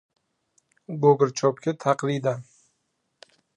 Gugurtcho‘pga taqlidan